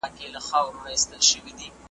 ستړې یم !